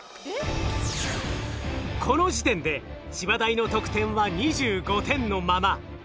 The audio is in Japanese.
この時点で千葉大の得点は２５点のまま。